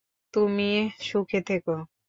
তুমি সুখে থেকো।